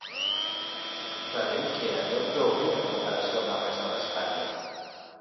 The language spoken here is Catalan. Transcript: Sabem que aneu prou bé en comparació amb la resta d’Espanya.